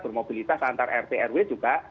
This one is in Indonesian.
bermobilitas antar rt rw juga